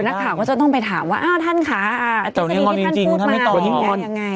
เดี๋ยวนักข่าวก็จะต้องไปถามว่าอ้าวท่านค่ะอาทิสัยนี้ที่ท่านพูดมาอาทิสัยนี้มันยังไง